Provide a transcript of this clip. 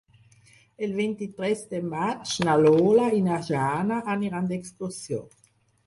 El vint-i-tres de maig na Lola i na Jana aniran d'excursió.